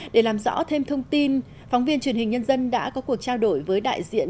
để làm rõ thêm thông tin phóng viên truyền hình nhân dân đã có cuộc trao đổi với đại diện